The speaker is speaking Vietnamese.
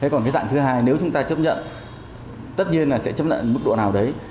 còn cái dạng thứ hai nếu chúng ta chấp nhận tất nhiên là sẽ chấp nhận mức độ nào đấy